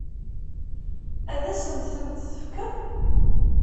Ad asent-tent-tefkeḍ?